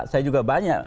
saya juga banyak